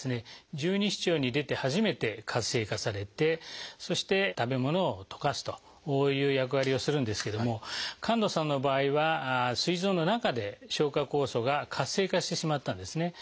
十二指腸に出て初めて活性化されてそして食べ物を溶かすという役割をするんですけども神門さんの場合はすい臓の中で消化酵素が活性化してしまったんですね。